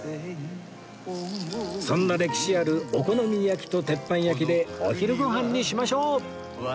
そんな歴史あるお好み焼きと鉄板焼きでお昼ご飯にしましょう！